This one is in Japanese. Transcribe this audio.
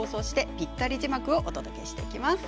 ぴったり字幕をお届けします。